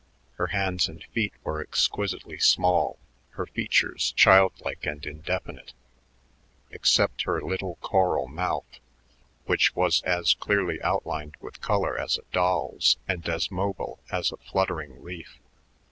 Her hands and feet were exquisitely small, her features childlike and indefinite, except her little coral mouth, which was as clearly outlined with color as a doll's and as mobile as a fluttering leaf.